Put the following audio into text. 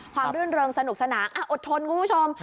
รื่นเริงสนุกสนานอดทนคุณผู้ชม